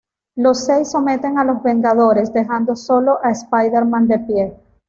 Los Seis someten a los Vengadores, dejando solo a Spider-Man de pie.